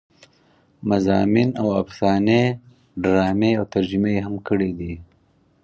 مضامين او افسانې ډرامې او ترجمې يې هم کړې دي